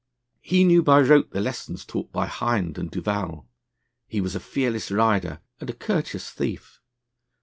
He knew by rote the lessons taught by Hind and Duval; he was a fearless rider and a courteous thief.